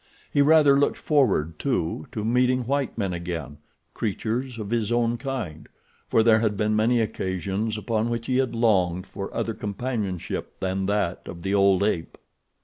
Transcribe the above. He rather looked forward, too, to meeting white men again—creatures of his own kind—for there had been many occasions upon which he had longed for other companionship than that of the old ape.